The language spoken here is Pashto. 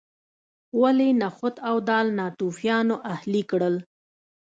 ولې نخود او دال ناتوفیانو اهلي کړل.